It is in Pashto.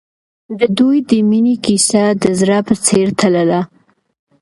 د دوی د مینې کیسه د زړه په څېر تلله.